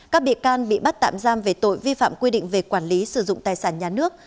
các bị can bị bắt tạm giam về tội vi phạm quy định về quản lý sử dụng tài sản nhà nước